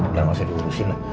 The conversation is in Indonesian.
jangan masih diurusin lah